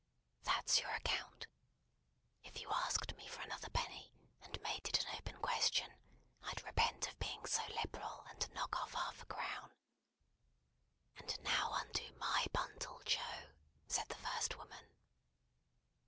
"That's your account. If you asked me for another penny, and made it an open question, I'd repent of being so liberal and knock off half a crown." "And now undo my bundle, Joe," said the first woman.